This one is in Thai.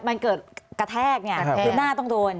มันเกิดกะแทกอย่างนี้ที่หน้าต้องโดน